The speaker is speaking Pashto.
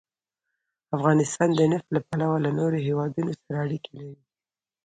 افغانستان د نفت له پلوه له نورو هېوادونو سره اړیکې لري.